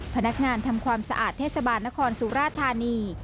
พนักงานทำความสะอาดเทศบาลนครสุราธานี